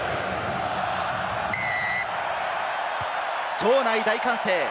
場内、大歓声。